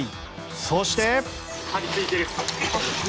そして。